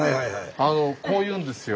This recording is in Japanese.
こう言うんですよ。